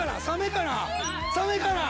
サメかな？